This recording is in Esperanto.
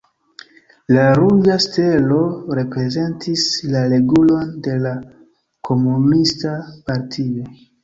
La ruĝa stelo reprezentis la regulon de la Komunista Partio.